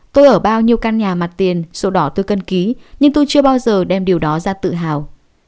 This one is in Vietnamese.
tôi ở bao nhiêu căn nhà mặt tiền sổ đỏ tôi cân ký nhưng tôi chưa bao giờ đem điều đó ra tự hào